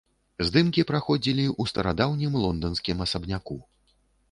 Здымкі праходзілі ў старадаўнім лонданскім асабняку.